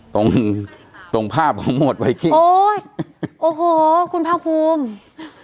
ตรงตรงภาพของหมวดไวกิ้งโอ้ยโอ้โหคุณภาคภูมิ